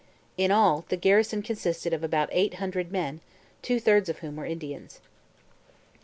In all, the garrison consisted of about eight hundred men, two thirds of whom were Indians.